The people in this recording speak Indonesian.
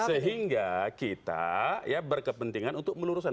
sehingga kita ya berkepentingan untuk meluruskan